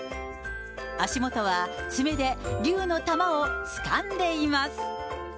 足元は爪で龍の球をつかんでいます。